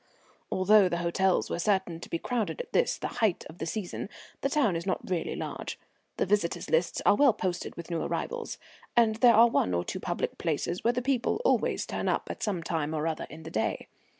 Although the hotels were certain to be crowded at this, the height of the season, the town is not really large, the visitors' lists are well posted with new arrivals, and there are one or two public places where people always turn up at some time or other in the day.